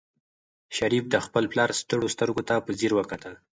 شریف د خپل پلار ستړو سترګو ته په ځیر وکتل.